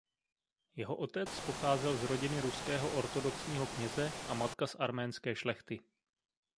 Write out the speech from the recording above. Jeho otec pocházel z rodiny ruského ortodoxního kněze a matka z arménské šlechty.